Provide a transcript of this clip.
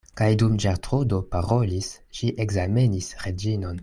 Kaj dum Ĝertrudo parolis, ŝi ekzamenis Reĝinon.